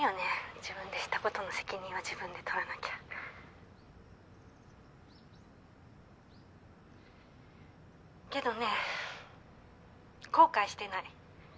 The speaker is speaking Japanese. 自分でしたことの責任は☎自分で取らなきゃ☎けどね☎後悔してない☎